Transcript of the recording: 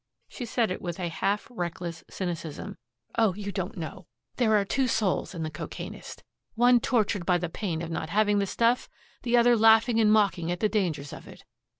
She said it with a half reckless cynicism. "Oh, you don't know. There are two souls in the cocainist one tortured by the pain of not having the stuff, the other laughing and mocking at the dangers of it.